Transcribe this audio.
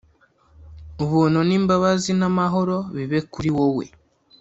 Ubuntu n’imbabazi n’amahoro bibe kuri wowe